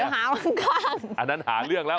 เดี๋ยวหาข้างอันนั้นหาเลือกแล้ว